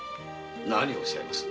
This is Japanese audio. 何をおっしゃいます。